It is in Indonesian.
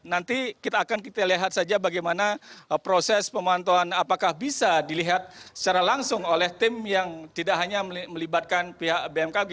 nanti kita akan kita lihat saja bagaimana proses pemantauan apakah bisa dilihat secara langsung oleh tim yang tidak hanya melibatkan pihak bmkg